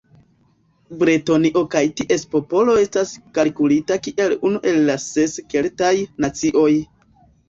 Bretonio kaj ties popolo estas kalkulita kiel unu el la ses Keltaj nacioj.